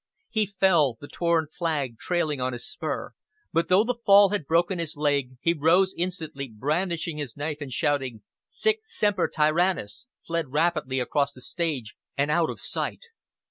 He fell, the torn flag trailing on his spur; but though the fall had broken his leg, he rose instantly brandishing his knife and shouting, "Sic Semper Tyrannis!" fled rapidly across the stage and out of sight.